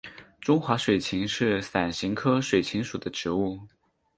中华水芹是伞形科水芹属的植物。